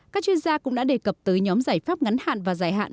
các chuyên gia cũng đã đề cập tới nhóm giải pháp ngắn hạn và dài hạn